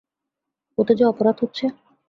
ওতে যে অপরাধ হচ্ছে।